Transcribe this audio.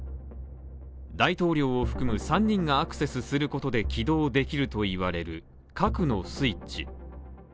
大統領を含む３人がアクセスすることで起動できると言われる核のスイッチ。